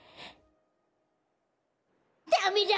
ダメだ！